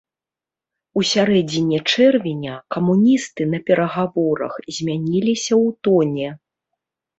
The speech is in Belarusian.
У сярэдзіне чэрвеня камуністы на перагаворах змяніліся ў тоне.